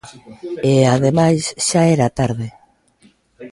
E, ademais, xa era tarde.